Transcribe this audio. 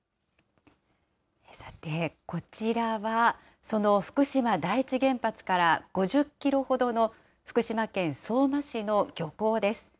さて、こちらはその福島第一原発から５０キロほどの福島県相馬市の漁港です。